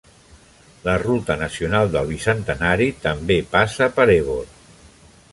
La Ruta Nacional del Bicentenari també passa per Ebor.